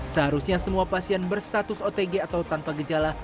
seharusnya semua pasien berstatus otg atau tanpa gejala